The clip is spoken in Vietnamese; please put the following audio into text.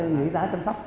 người y tá chăm sóc